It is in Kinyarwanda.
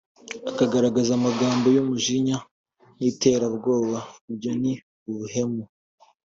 akagaragaza amagambo y’umujinya n’iterabwoba ibyo ni ubuhemu